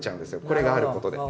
これがあることで。